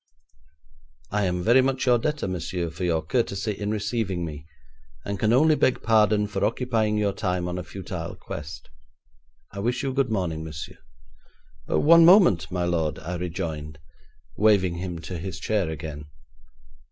'I am very much your debtor, monsieur, for your courtesy in receiving me, and can only beg pardon for occupying your time on a futile quest. I wish you good morning, monsieur.' 'One moment, my lord,' I rejoined, waving him to his chair again.